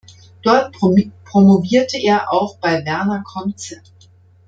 Dort promovierte er auch bei Werner Conze.